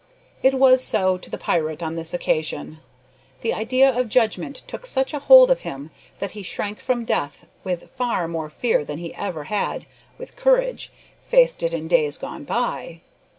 It was so to the pirate on this occasion. The idea of judgment took such a hold of him that he shrank from death with far more fear than he ever had, with courage, faced it in days gone by.